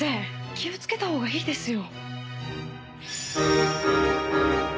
気をつけたほうがいいですよ。